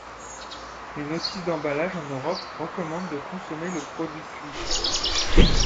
Les notices d'emballage en Europe recommandent de consommer le produit cuit.